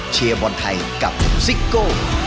เชียร์บอลไทยกับซิโก้